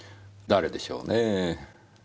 誰でしょうねぇ。